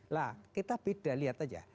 lah kita beda lihat aja